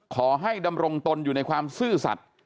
ขอให้ดำรงตนอยู่ในความซื่อสัตว์